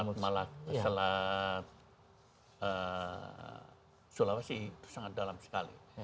kalau yang lewat selat sulawesi itu sangat dalam sekali